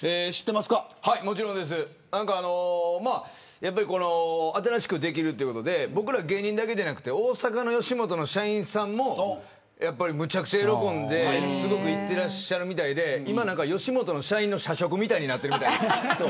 もちろんです新しくできるということで僕ら芸人だけではなく大阪の吉本の社員さんもめちゃくちゃ喜んですごく行ってらっしゃるみたいで吉本社員の社食みたいになってるみたいです。